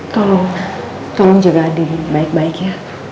tolong tolong jaga andi baik baik ya